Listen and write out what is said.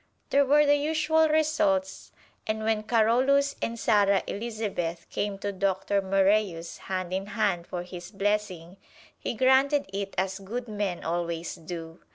There were the usual results, and when Carolus and Sara Elizabeth came to Doctor Moræus hand in hand for his blessing, he granted it as good men always do.